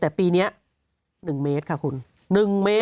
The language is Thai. แต่ปีนี้๑เมตรค่ะคุณ๑เมตร